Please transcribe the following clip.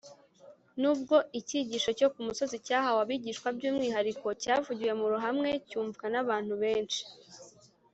nubwo icyigisho cyo ku musozi cyahawe abigishwa by’umwihariko, cyavugiwe mu ruhame cyumvwa n’abantu benshi